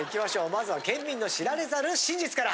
まずは県民の知られざる真実から。